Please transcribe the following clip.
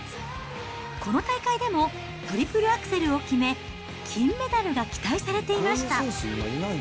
この大会でも、トリプルアクセルを決め、金メダルが期待されていました。